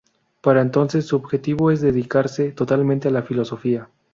Para entonces su objetivo es dedicarse totalmente a la filosofía.